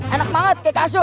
enak banget kayak kasur